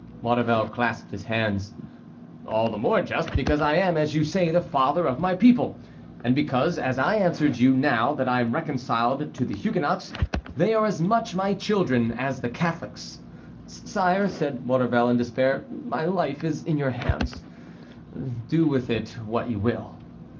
Maurevel clasped his hands. "All the more just, because I am, as you say, the father of my people; and because, as I answered you, now that I am reconciled to the Huguenots, they are as much my children as the Catholics." "Sire," said Maurevel, in despair, "my life is in your hands; do with it what you will."